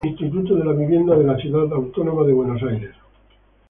Instituto de la Vivienda de la Ciudad Autónoma de Buenos Aires.